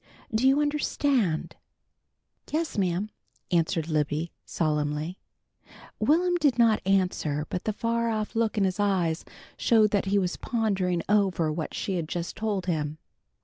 Do you understand?" "Yes, ma'am," answered Libby solemnly. Will'm did not answer, but the far off look in his eyes showed that he was pondering over what she had just told him.